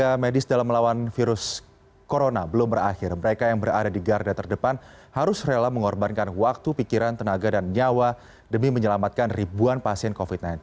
tenaga medis dalam melawan virus corona belum berakhir mereka yang berada di garda terdepan harus rela mengorbankan waktu pikiran tenaga dan nyawa demi menyelamatkan ribuan pasien covid sembilan belas